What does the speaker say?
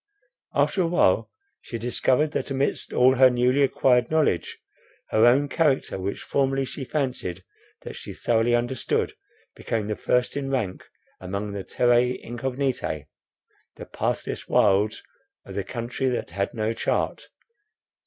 After awhile she discovered, that amidst all her newly acquired knowledge, her own character, which formerly she fancied that she thoroughly understood, became the first in rank among the terrae incognitae, the pathless wilds of a country that had no chart.